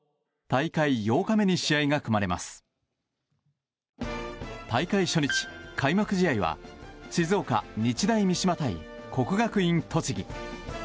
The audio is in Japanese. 大会初日、開幕試合は静岡・日大三島対国学院栃木。